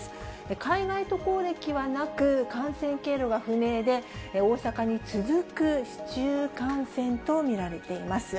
海外渡航歴はなく、感染経路は不明で、大阪に続く市中感染と見られています。